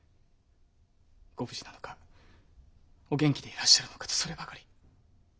ご無事なのかお元気でいらっしゃるのかとそればかり。